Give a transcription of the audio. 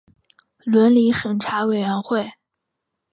伦理审查委员会